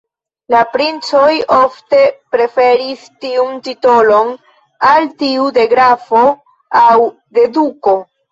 La princoj ofte preferis tiun titolon al tiu de grafo aŭ de duko.